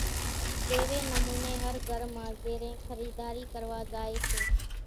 ايوي نموني ھر گھر مان زيرين خريداري ڪروا زائي سي